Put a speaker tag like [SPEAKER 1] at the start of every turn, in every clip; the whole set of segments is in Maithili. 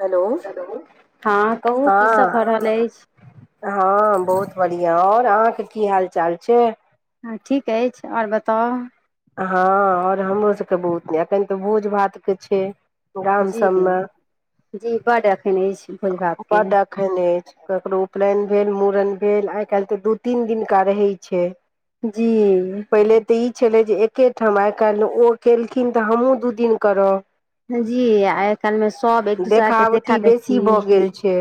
[SPEAKER 1] हेलो
[SPEAKER 2] हँ कहू की
[SPEAKER 1] हँ
[SPEAKER 2] सब भऽ रहल अछि
[SPEAKER 1] हँ बहुत बढ़िआं आओर अहाँके की हाल चाल छै
[SPEAKER 2] हँ ठीक अछि आओर बताउ
[SPEAKER 1] हँ आओर हमरो सभके बहुत नहि एखन तऽ भोज भातके छै गॉम
[SPEAKER 2] जी
[SPEAKER 1] सब मे
[SPEAKER 2] जी बड्ड एखन अछि भोज भात के
[SPEAKER 1] बड एखन अछि केकरो उपनैन भेल मुूड़न भेल आइ काल्हि तऽ दू तीन दिनका रहै छै
[SPEAKER 2] जी
[SPEAKER 1] पहिले तऽ ई छलै जे एके ठाम आइ काल्हि ओ केलखिन तऽ हमहूँ दू दिन करब
[SPEAKER 2] जी आइ काल्मे सब एक दूसराके देखा
[SPEAKER 1] देखावटी बेसी
[SPEAKER 2] देखी
[SPEAKER 1] भऽ गेल छै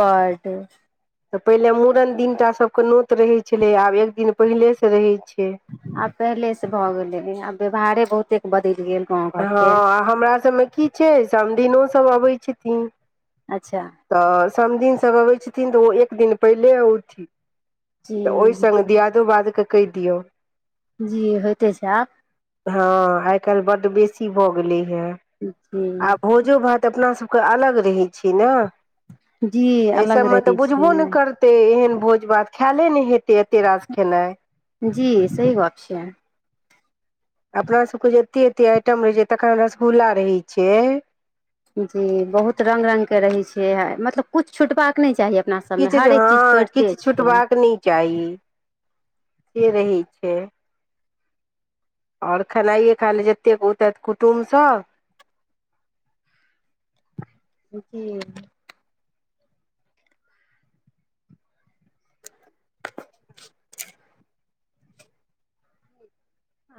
[SPEAKER 2] बड्ड
[SPEAKER 1] तऽ पहिले मूड़न दिनट सभके नोत रहैत छलै आब एक दिन पहिलेसँ रहैत छै
[SPEAKER 2] आब पहिले से भए गेले आब व्यवहारे बहुते बदल गेल गाँव घर के
[SPEAKER 1] हँ हमरा सभमे की छै समघिनोसभ अबैत छथिन
[SPEAKER 2] अच्छा
[SPEAKER 1] तऽ समघिन सभ अबै छथिन तऽ ओ एक दिन पहिले उथिन
[SPEAKER 2] जी
[SPEAKER 1] तऽ ओहि सङ्ग दियादो बादके कहि दियौ
[SPEAKER 2] जी होइते छै आब
[SPEAKER 1] हँ आइ काल्हि बड्ड बेसी भऽ गेले या
[SPEAKER 2] जी
[SPEAKER 1] आ भोजो भात तऽ अपना सबके अलग रहै छै ने
[SPEAKER 2] जी
[SPEAKER 1] ऐ
[SPEAKER 2] अलग
[SPEAKER 1] सबमे
[SPEAKER 2] रहै
[SPEAKER 1] तऽ बुझबो ने
[SPEAKER 2] छै
[SPEAKER 1] करते एहन भोज भात खायले ने हेतै एते राज खेनाइ
[SPEAKER 2] जी सही गप्प छै
[SPEAKER 1] अपनासभके एतेक एतेक आइटम रहै छै तखन रसगुल्ला रहै छै
[SPEAKER 2] जी बहुत रंग रंग के रहै छियै मतलब किछु छुटबाक नहि चाही अपना सबमे
[SPEAKER 1] किछु
[SPEAKER 2] हरेक चीज
[SPEAKER 1] हँ
[SPEAKER 2] पढ़िते
[SPEAKER 1] किछु
[SPEAKER 2] छै
[SPEAKER 1] छूटबाक नहि चाही से रहै छै आओर खेनाइए खा ले जतेक ओत कुटुम्सभ
[SPEAKER 2] जी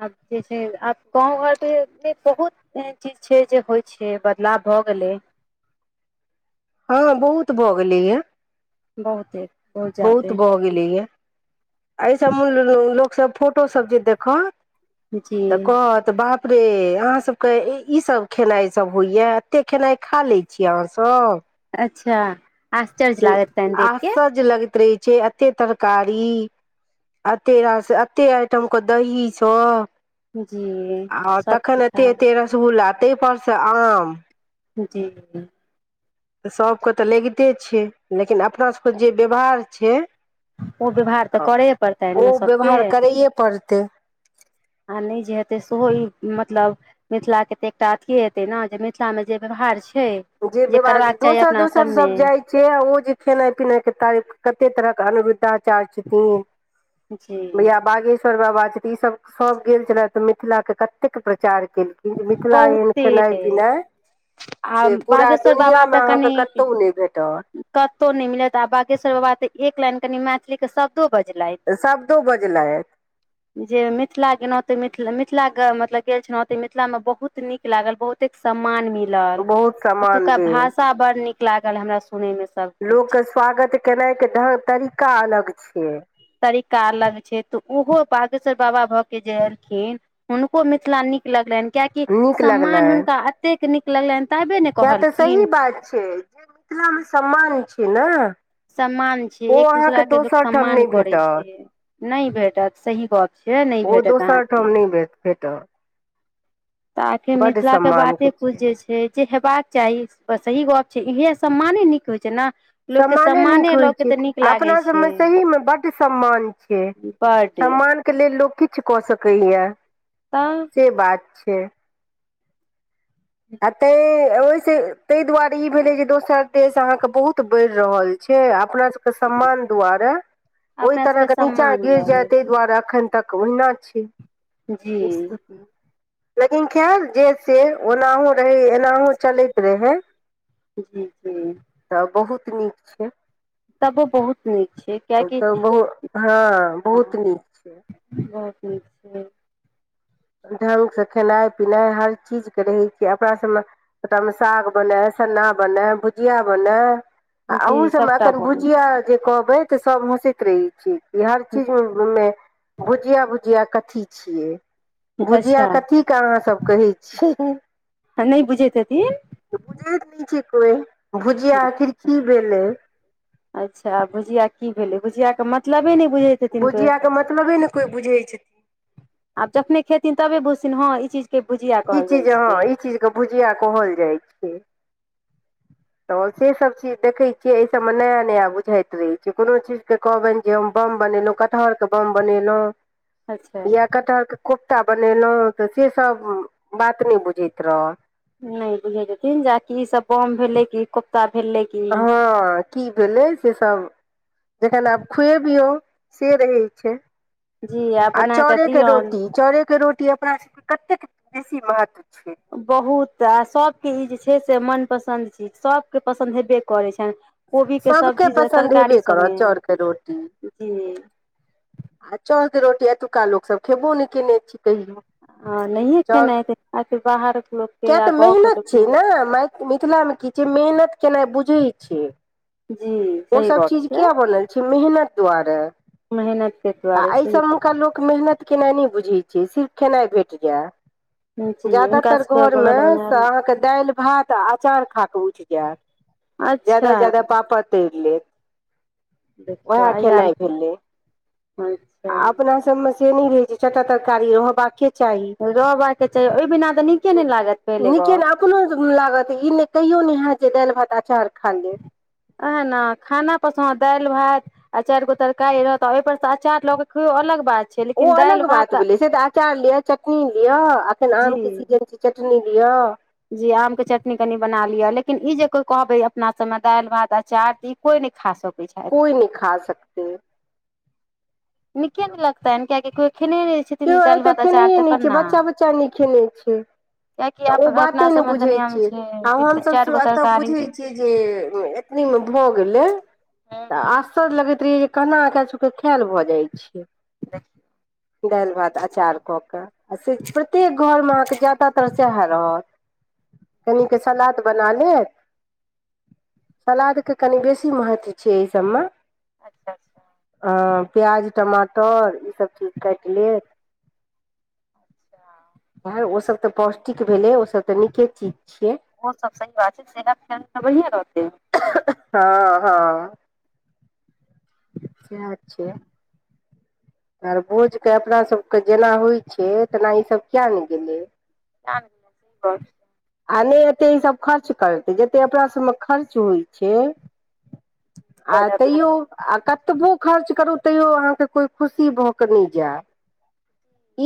[SPEAKER 2] आब जे छै आब गाँव घरमे बहुत एन चीज छै जे होइ छै बदलाव भऽ गेलै
[SPEAKER 1] हँ बहुत भऽ गेलैए
[SPEAKER 2] बहुत एक
[SPEAKER 1] बहुत भ गेलीय एहिसभ लोकसभ फोटोसभ जे देखत
[SPEAKER 2] जी
[SPEAKER 1] तऽ कहत बाप रे अहाँ सबके ई सब खेनाइ सब होइएा एते खेनाइ खा लै छी अहाँसभ
[SPEAKER 2] अच्छा आश्चर्य लागत तहन देख
[SPEAKER 1] आशचर्ज लगैत रहै छै अते तरकारी अते रास एते आइटम के दही सब
[SPEAKER 2] के जी
[SPEAKER 1] आ
[SPEAKER 2] सब
[SPEAKER 1] तखन
[SPEAKER 2] किछ
[SPEAKER 1] एते
[SPEAKER 2] आब
[SPEAKER 1] ते रसगुल्ला तेहि परस आम
[SPEAKER 2] जी
[SPEAKER 1] सभके तऽ लगिते छै लेकिन अपनासभके जे व्यवहार छै
[SPEAKER 2] ओ व्यवहार तऽ करै पड़तै
[SPEAKER 1] ओ
[SPEAKER 2] ने सभके
[SPEAKER 1] व्यवहार करैए पड़तै
[SPEAKER 2] आ नहि जे हेतै सेहो ई मतलब मिथिला के तऽ एकटा अथीये हेतैय ने जे मिथिला मे जे व्यवहार छैय
[SPEAKER 1] जे विवाद दोसर दोसरसभ जाइ छियै आ ओ जे खेनाइ पिनाइके तारीफ कतेक तरह अनुरुद्धाचार्य छथिन
[SPEAKER 2] जी
[SPEAKER 1] भैया बागेश र बाबा छथि ई सब सब गेल रहथि त मिथिला के कतेक प्रचार [unintelligible] मिथिला एहेन
[SPEAKER 2] बहुते
[SPEAKER 1] खेनाइ पिनाइ
[SPEAKER 2] आ
[SPEAKER 1] से पूरा
[SPEAKER 2] बागेश्वर बाबा
[SPEAKER 1] दुनिया में
[SPEAKER 2] तऽ
[SPEAKER 1] अहाँके
[SPEAKER 2] कनि
[SPEAKER 1] कतौ नहि भेट
[SPEAKER 2] कतहु नहि मिलत आ बागेश्वर बाबा तऽ एक लाइन कनि मैथिली के शब्द [unintelligible] बजलैथ
[SPEAKER 1] शब्दो बजलथि
[SPEAKER 2] जे मिथिला के नाते मिथिले मिथ मिथिला ग के मतलब गेल छलौं मिथिला में बहुत नीक लागल बहुतेक सम्मान मिल मिलल
[SPEAKER 1] बहुत सम्मान
[SPEAKER 2] ओतुका
[SPEAKER 1] भेल
[SPEAKER 2] भाषा बड़ नीक लागल हमरा सुनय मे
[SPEAKER 1] लोकके स्वागत केनाइके ढंग तरीका अलग छियै
[SPEAKER 2] तरीका अलग छै तऽ उहो बागेश्वर बाबा भऽ के जे एलखिन हुनको मिथिला नीक लगलैनि कियाकि
[SPEAKER 1] नीक
[SPEAKER 2] सम्मान हुनका अतेक नीक लगलनि तबे ने
[SPEAKER 1] ये तऽ सही
[SPEAKER 2] कहलखिन
[SPEAKER 1] बात छै जे मिथिलामे सम्मान छै ने
[SPEAKER 2] सम्मान छै
[SPEAKER 1] ओ
[SPEAKER 2] एक
[SPEAKER 1] अहाँके
[SPEAKER 2] दूसरा के
[SPEAKER 1] दोसर
[SPEAKER 2] लोक
[SPEAKER 1] ठाम नहि
[SPEAKER 2] सम्मान करै
[SPEAKER 1] भेटत
[SPEAKER 2] छै नहि भेटत सही गप से नहि
[SPEAKER 1] ओ
[SPEAKER 2] भेटत
[SPEAKER 1] दोसर ठाम
[SPEAKER 2] अहाँके
[SPEAKER 1] नहि भे भेटत
[SPEAKER 2] तकि
[SPEAKER 1] बड्ड
[SPEAKER 2] मिथिलाके
[SPEAKER 1] सम्मानके
[SPEAKER 2] बाते कुछ जे छै जे हेबाक चाही सही गप छै इहे सम्माने निक होय छै ने लोकके
[SPEAKER 1] सम्माने नीक
[SPEAKER 2] लऽ
[SPEAKER 1] होइत
[SPEAKER 2] के
[SPEAKER 1] छै
[SPEAKER 2] तऽ नीक लागै
[SPEAKER 1] अपना
[SPEAKER 2] छै
[SPEAKER 1] सभमे सहीमे बड्ड सम्मान छै
[SPEAKER 2] बड
[SPEAKER 1] सम्मान के लेल लोक किछु कऽ सकैया
[SPEAKER 2] तऽ
[SPEAKER 1] से बात छै आ तांय ओहिसँ ताहि दुआरे ई भेलै जे दोसर देश अहाँके बहुत बढ़ि रहल छै से अपना सबके सम्मान दुआरे ओहि
[SPEAKER 2] अपना सबके
[SPEAKER 1] तरह के नीचा
[SPEAKER 2] सम्मान
[SPEAKER 1] गिर जाय
[SPEAKER 2] दुआरे
[SPEAKER 1] ताहि दुआरे एखन तक [unintelligible] छी
[SPEAKER 2] जी
[SPEAKER 1] लेकिन खैर जे से ओनाहु रहै एनाहु चलैत रहै
[SPEAKER 2] दी दी
[SPEAKER 1] तऽ बहुत नीक छै
[SPEAKER 2] तबो बहुत नीक कियेकि
[SPEAKER 1] तऽ बहु हँ
[SPEAKER 2] ह
[SPEAKER 1] बहुत नीक छै
[SPEAKER 2] [unintelligible] ठीक छै
[SPEAKER 1] ढंग से खेनाइ पिनाइ हर चीज के रहै छियै अपना सभमे सबका में साग बना सन्ना बनै भुजिया बनै आ
[SPEAKER 2] जी
[SPEAKER 1] अहू सभमे
[SPEAKER 2] सभटा
[SPEAKER 1] एखन
[SPEAKER 2] बनै
[SPEAKER 1] भुझिया
[SPEAKER 2] छै
[SPEAKER 1] जे कहबै तऽ सभ हँसैत रहैत छै जे हर चीजमें भुजिया भुजिया कथी छियै भुजिया
[SPEAKER 2] अच्छा
[SPEAKER 1] कथीके अहाँसभ कहै छियै
[SPEAKER 2] आ नैय बुझैत हेथिन
[SPEAKER 1] बुझैत नहि छै कोइ भुजिया आखिर की भेलै
[SPEAKER 2] अच्छा भुजिया की भेलै भुजिया के मतलबे नहि बुझैत हेथिन कोइ
[SPEAKER 1] भुझियाके मतलबे ने कोइ बुझै छथिन
[SPEAKER 2] आब जखने खेथिन तबे बुझथिन हँ ई चीज
[SPEAKER 1] ई चीज हँ ई चीजके भुजिया कहल जाइ छै तऽ सेसभ चीज देखै छियै एहिठम नया नया बुझाइत रहैत छै कोनो चीजके कहबनि जे हम बम बनेलंहु कटहर के बम बनेलहुं
[SPEAKER 2] अच्छा
[SPEAKER 1] या कटहर के बम कोफ्ता बनेलहुँ तऽ सेसभ बात नहि बुझैत रहल
[SPEAKER 2] नहि बुझे छेथिन जाकि ई सब बम भेलै कि कोफ्ता भेलै कि
[SPEAKER 1] हँ की भेलै सेसभ जखन आब खुएबियौ से रहै छै
[SPEAKER 2] जी
[SPEAKER 1] आ
[SPEAKER 2] बना कऽ
[SPEAKER 1] चाउरे के
[SPEAKER 2] दियौन
[SPEAKER 1] रोटी चाउरे के रो कि अपना सबके कतेक बेसी महत्व छै
[SPEAKER 2] बहुत आ सबके ई जे छै से मनपसन्द चीज सभके पसन्द हेबे करैत छनि कोबी के
[SPEAKER 1] सबके
[SPEAKER 2] सब्जी
[SPEAKER 1] पसन्द
[SPEAKER 2] तरकारी
[SPEAKER 1] हेबे करत
[SPEAKER 2] सगे
[SPEAKER 1] चाउरके रोटी
[SPEAKER 2] जी
[SPEAKER 1] आ चौद रोटी एतुका लोकसभ खेबो ने कयने छी कहियो
[SPEAKER 2] ह नहिए खेना हेतइ बाहर
[SPEAKER 1] किए तऽ मेहनत छै ने मिथिलामे की छै मेहनत केनाइ बुझैत छियै
[SPEAKER 2] जी सही
[SPEAKER 1] ओसभ
[SPEAKER 2] गप
[SPEAKER 1] चीज
[SPEAKER 2] छै
[SPEAKER 1] किया बनल छै मेहनत दुआरे
[SPEAKER 2] मेहनत के
[SPEAKER 1] आ
[SPEAKER 2] दुआरे सही
[SPEAKER 1] एहिसभमेका लोक मेहनत केनाइ नहि बुझैत छै सिर्फ खेनाइ भेट जाय
[SPEAKER 2] बात जी हुनका
[SPEAKER 1] जादातर
[SPEAKER 2] सबके
[SPEAKER 1] घरमे
[SPEAKER 2] बनल बनायल
[SPEAKER 1] अहाँ के दालि भात आ अचार खा कऽ उइठ जैत ज्यादा
[SPEAKER 2] अच्छा
[SPEAKER 1] जायदा पापर तैर लेत
[SPEAKER 2] देखियौ
[SPEAKER 1] उएह
[SPEAKER 2] अहिया
[SPEAKER 1] खेनाइ भेलै
[SPEAKER 2] अच्छा
[SPEAKER 1] आ अपना से सबमे नहि रहै छै छअ टा तरकारी रह चाही
[SPEAKER 2] रहबाक के चाही ओहि बिना तऽ नीके नहि लागत पहिले
[SPEAKER 1] लेकिन
[SPEAKER 2] गप
[SPEAKER 1] अपनो लागत ई नहि कहियो नै हाएत जे दालि भात अचार खा लेब
[SPEAKER 2] अहां न खाना पसन्द दालि भात आ चारि गो तरकारी रहत आ ओहि पर से अचार लो के खैयो अलग बात छै
[SPEAKER 1] ओ
[SPEAKER 2] लेकिन दालि
[SPEAKER 1] अलग बात
[SPEAKER 2] भात
[SPEAKER 1] भेलै से तऽ अचार लिअ चटनी लिअ अखन
[SPEAKER 2] जी
[SPEAKER 1] आमके सीजन छै चटनी नी दिय
[SPEAKER 2] जी आम के चटनी कनि बना लिअ लेकिन ई जे कोइ कहबै अपना सभमे दालि भात अचार इ कोइ ने खाँ सकइ
[SPEAKER 1] कोई नइ खा सकते
[SPEAKER 2] नीकेया नहि लगताैन क को
[SPEAKER 1] केओ आइ तक खेनाए नहि छै बच्चा बच्चा नहि खेने छै
[SPEAKER 2] कियाकि
[SPEAKER 1] तऽ
[SPEAKER 2] आप
[SPEAKER 1] ओ
[SPEAKER 2] अपना
[SPEAKER 1] बाते नहि
[SPEAKER 2] सबमे तऽ
[SPEAKER 1] बुझैत
[SPEAKER 2] नियम
[SPEAKER 1] छियै आ
[SPEAKER 2] छै चारि
[SPEAKER 1] हमसभ
[SPEAKER 2] गो
[SPEAKER 1] एतय
[SPEAKER 2] तरकारी हूँ
[SPEAKER 1] बुझैत छियै जे ए मे म गेलै त आश्चर्य लगैत पी केना क एकासबके खायल भऽ जाइ छ
[SPEAKER 2] [unintelligible]
[SPEAKER 1] दालि भात अचार कऽ क आ से प्रत्येक घरमे अहाँके ज्यदातर सेहा रहत कनिके सलाद बना लेत सलाा दके कनि बेसी महत्त्व छिय एहिस्म
[SPEAKER 2] अच्छा अच्छा अच्छा
[SPEAKER 1] अ प्याज टमाटर ई सब चीज काइटलेत ओ सब तऽ पौष्टिक भेलै ओ सब तऽ नीके चीज छियै
[SPEAKER 2] ओ सब सही बात छै सेना त बनिए रहतै
[SPEAKER 1] हँ हँ से छै आर भोजके अपनासभके जेना होइत छै तेना ईसभ कियाने गेलै
[SPEAKER 2] जान सह कह छै
[SPEAKER 1] आ नहि एते ई सब खर्च करतै जते अपना सबमे खर्च होइ छै आ तैयो आ कतबो खर्च करू तैयो अहाँके कोइ खुशी भऽक नहि जाय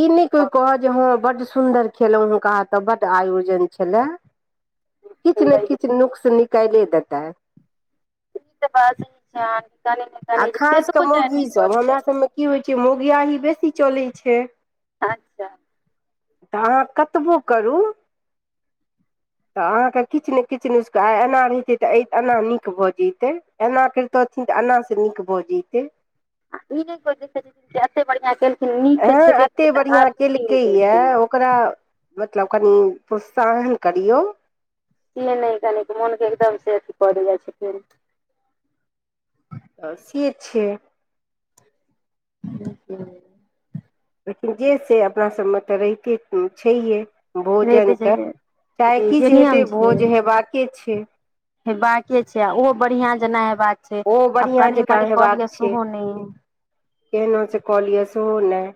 [SPEAKER 1] ई नहि कहत जे हँ बड सुंन्दर खेलौं हं अहां ओतऽ बड आयोजन छलए किछु ने किछु नुकस निकाइले देतय
[SPEAKER 2] ई तऽ बात ई छै कनी ने
[SPEAKER 1] आ
[SPEAKER 2] कनी केतनो चाहे नीक कऽ लिय
[SPEAKER 1] मौगीयाही बेसी चलै छै
[SPEAKER 2] अच्छा
[SPEAKER 1] तऽ अहाँ कतबो करू तऽ अहाँके किछु ने किछु नुसखा आ एना रहितै तऽ एना नीक भऽ जतै एना करितथिन जे अना से नीक भऽ जैतै
[SPEAKER 2] आ ई नहि कोइ देखैत छथिन एते बढ़िआँ केलखिन नीक तऽ
[SPEAKER 1] एँ
[SPEAKER 2] छेबे करै तऽ आब की नीक हेतै
[SPEAKER 1] हं मतलब कनि प्रोत्साहन करियौ
[SPEAKER 2] से नहि कनिक मोनके एकदम से अथी कऽ दै जाइ छथिन
[SPEAKER 1] तऽ से छै
[SPEAKER 2] त
[SPEAKER 1] लेकिन जे से अपना सबमे तऽ रहिते छैहे भोजन कऽ
[SPEAKER 2] छै
[SPEAKER 1] चाहे
[SPEAKER 2] जी जे
[SPEAKER 1] किछु हेतै
[SPEAKER 2] नियम छै
[SPEAKER 1] भोज हेबाके छै
[SPEAKER 2] हेबाके छै आ ओहो बढ़िया जेना हेबाक छै
[SPEAKER 1] ओ
[SPEAKER 2] आब
[SPEAKER 1] बढ़ियां
[SPEAKER 2] कनि
[SPEAKER 1] जकां
[SPEAKER 2] मनि कऽ
[SPEAKER 1] हेबाक
[SPEAKER 2] लिअ
[SPEAKER 1] छै
[SPEAKER 2] सेहो नहि
[SPEAKER 1] केहनो से कऽलिय [unintelligible]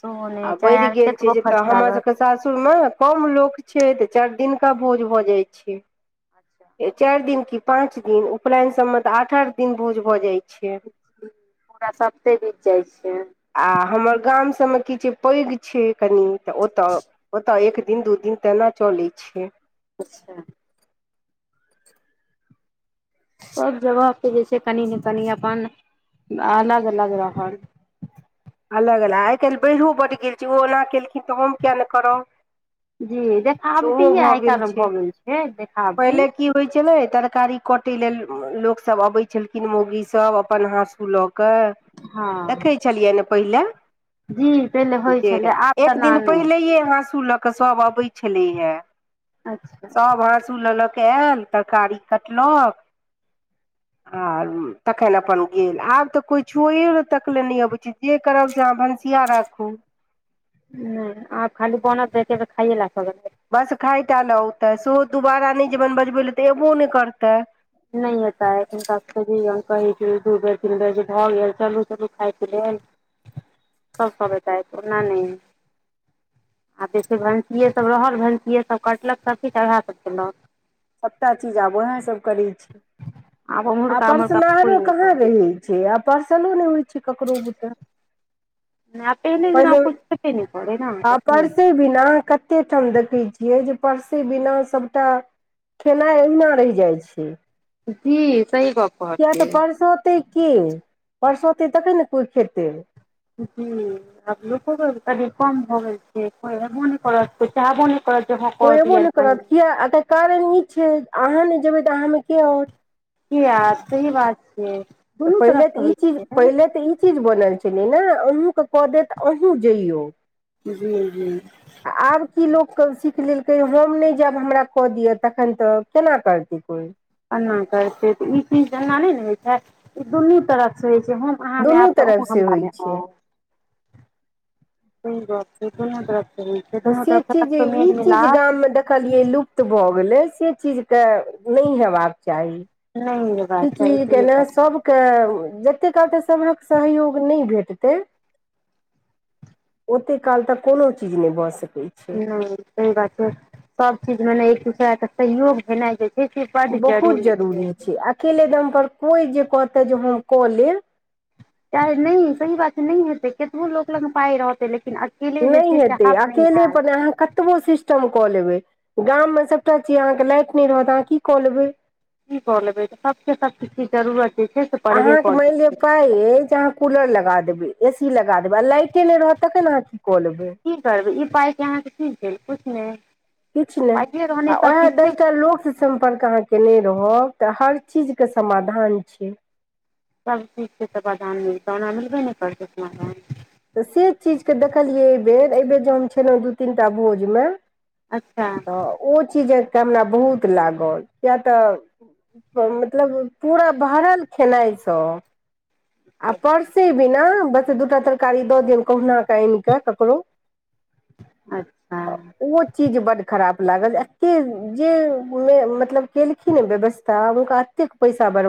[SPEAKER 2] सेहो
[SPEAKER 1] आ
[SPEAKER 2] नहि चाहे
[SPEAKER 1] बढ़ि
[SPEAKER 2] अहाँ
[SPEAKER 1] गेल
[SPEAKER 2] कतबो
[SPEAKER 1] छै तऽ
[SPEAKER 2] खर्च
[SPEAKER 1] हमर
[SPEAKER 2] लागत
[SPEAKER 1] सबके सासुरमे कम लोक छै तऽ चारि दिन का भोज भऽ जाइ छै चारि दिन पाँच दिन उपलायन सब में तऽ आठ आठ दिन भोज भऽ जाय छै
[SPEAKER 2] पूरा सप्ते बीत जाइ छै
[SPEAKER 1] आ हमर गाम तै में की छै पैघ छै कनि तऽ ओत ओत दू दिन तेना चलैत छै
[SPEAKER 2] अच्छा सभ जगह पे जे छै कनि ने कनि अपन अलग अलग रहल
[SPEAKER 1] अलग अलग आइ काल्हि बाढ़िओ बड गेल छै ओ ओना केलखिन तऽ हम किएक नहि करब
[SPEAKER 2] जी
[SPEAKER 1] सेहो
[SPEAKER 2] देखावटीये
[SPEAKER 1] भऽ
[SPEAKER 2] आइ
[SPEAKER 1] गेल
[SPEAKER 2] काल्हि
[SPEAKER 1] छै
[SPEAKER 2] भऽ गेल देखावटी
[SPEAKER 1] पहिले की होइत छलै तरकारी कटै लेल लोक सब अबै छलखिन मौगी सब अपन हाँसू लऽ के
[SPEAKER 2] हँ
[SPEAKER 1] देखै छलियै ने पहिले
[SPEAKER 2] जी पहिले होइ
[SPEAKER 1] जे
[SPEAKER 2] छलै आब तऽ
[SPEAKER 1] एक
[SPEAKER 2] ना
[SPEAKER 1] दिन
[SPEAKER 2] नहि
[SPEAKER 1] पहिलैये हाँसू लऽ कऽ सभ अबै छलैया
[SPEAKER 2] अच्छा
[SPEAKER 1] सभ हाँसू लऽ लऽ कऽ आयल तरकारी कटलक आ तखन अपन गेल आब तऽ कोइ छुअयो तकले नहि अबै छै जे करब से अहाँ भनसिया राखू
[SPEAKER 2] हं आ खाली बनत तऽ एते कऽ खाइये लए सब
[SPEAKER 1] बस खाइ टा ल ओ तऽ सेहो दुबारा नहि जेबन बजबै लए तऽ एबो नहि करतै
[SPEAKER 2] नहि एता हिनक खोजियौन कहै छै दू बेर तीन बेर जे भऽ गेल चलू चलू खायके लेल सब तब एतैथ ओना नहि आ जैसे भैनसीए सभ रहल भैनसीएसभ कटलक सब किछु उएहसभ कयेलक
[SPEAKER 1] सबटा चीज आब ओहा सब करै छै
[SPEAKER 2] आब
[SPEAKER 1] आ
[SPEAKER 2] उम्हरका उम्हरका
[SPEAKER 1] परसनाहारो
[SPEAKER 2] कोइ नहि
[SPEAKER 1] कहां
[SPEAKER 2] करत
[SPEAKER 1] रहै छै आ पर्सन नै होय छै जिस कक्रोरो
[SPEAKER 2] नहि आब जेना
[SPEAKER 1] पहिले
[SPEAKER 2] कुछ छेबे नहि करै ने
[SPEAKER 1] आ
[SPEAKER 2] एखनी
[SPEAKER 1] परसों बिना कते ठाम देखै छियै जे परसे बिना सबटा खेनाइ अहिना रहि जाइ छै
[SPEAKER 2] जी सही गप
[SPEAKER 1] किएक तऽ
[SPEAKER 2] कहलियै
[SPEAKER 1] परसौतै की परसौतै तखन ने कोइ खेतै
[SPEAKER 2] जी आब लोक ती कम भऽ गेल छै मने करत चाह म
[SPEAKER 1] ओ अबो नहि करत किए एतय कारण ई छै अहाँ नहि जेबै तऽ अहाँ में के आओत
[SPEAKER 2] की यार सही बात छै
[SPEAKER 1] तऽ
[SPEAKER 2] दुनू तरफ
[SPEAKER 1] पहिले
[SPEAKER 2] से
[SPEAKER 1] तऽ ई
[SPEAKER 2] होइ
[SPEAKER 1] चीज
[SPEAKER 2] छै
[SPEAKER 1] पहिले तऽ ई चीज बोलल छै ने अहूँ के कऽ देत अहूँ जइयौ
[SPEAKER 2] जी जी
[SPEAKER 1] सब सीख लेलकै हम नहि जब हमरा कऽ दिअ तखन तऽ केना करतै कोई
[SPEAKER 2] एना करतै तऽ ई चीज एना नहि ने होइ छै ई दुनू तरफ सँ होइ छै जे हम अहाँमे
[SPEAKER 1] दुनू
[SPEAKER 2] आयब तऽ
[SPEAKER 1] तरफ
[SPEAKER 2] अहुं
[SPEAKER 1] से
[SPEAKER 2] हमरा
[SPEAKER 1] होइ
[SPEAKER 2] ल
[SPEAKER 1] छै
[SPEAKER 2] आउ स बात छै को मत [unintelligible]
[SPEAKER 1] तऽ से चीज ई चीज गाममे देखलियै लुप्त भऽ गेलै से चीज के नहि हेबाक चाही
[SPEAKER 2] नहि
[SPEAKER 1] ई
[SPEAKER 2] हेबाक चाही
[SPEAKER 1] चिज
[SPEAKER 2] से
[SPEAKER 1] के
[SPEAKER 2] बात
[SPEAKER 1] सबके जतेक कहत सभहक सहयोग नहि भेटतै ओते काल तऽ कोनो चीज नहि ब सकै छै
[SPEAKER 2] ह सह बात छै सब चीज मे ने एक दूसरा के सहयोग भेनाइ छै से बड्ड
[SPEAKER 1] बहुत जरूरी छै अकेले दम पर कोइ जे कहतै जे हम कऽ लेब
[SPEAKER 2] चाहे नहि सही बात छै नइ हेतेय केतबो लोक लग पाय रहते लेकिन अकेले जे
[SPEAKER 1] नहि
[SPEAKER 2] छै
[SPEAKER 1] हेतय
[SPEAKER 2] चाहत नहि
[SPEAKER 1] अकेले
[SPEAKER 2] हैत
[SPEAKER 1] पर ने अहाँ कतबो सिस टम क लेबै गॉम मे सबटा चिज लाइट नै रहत आहा की क लेबय
[SPEAKER 2] की क लेबै त सबके सबचीज जरूरत जे छै से पड़बे
[SPEAKER 1] अहाँके
[SPEAKER 2] करै
[SPEAKER 1] मानि लिअ
[SPEAKER 2] छै
[SPEAKER 1] पाइ अछि जे अहाँ कूलर लगा देबै ए सी लगा देबय आ लाइटे नहि रहत तखन आहा
[SPEAKER 2] की करबै ई पाइ कि अहाँके की भेल किछु नहि
[SPEAKER 1] किछु नहि
[SPEAKER 2] पाइए रहने
[SPEAKER 1] आ
[SPEAKER 2] सब
[SPEAKER 1] उएह
[SPEAKER 2] किछ नहि
[SPEAKER 1] दसटा लोकसँ सम्पर्क अहाँके केयने रहब तऽ हर चीजके समाधान छैय
[SPEAKER 2] सबचीजके समाधान मिलतै ओना मिलबे नय करतै समाधान
[SPEAKER 1] तऽ से चीजकेँ देखलियै एहिबेर एहिबेर जे हम छलहुँ दू तीन टा भोजमे
[SPEAKER 2] अच्छा
[SPEAKER 1] तऽ ओ चीज के हमरा बहुत लागल किएक तऽ मतलब पूरा भरल खेनाइ स आ परसे बिना बस दू टा तरकारी दऽ दियनि कहुन कऽ आनि कऽ ककरो
[SPEAKER 2] अच्छा
[SPEAKER 1] ओ चीज बड खराप लागल एते जे मे मतलब केलखिन व्यवस्था हुनका एते पैसा बर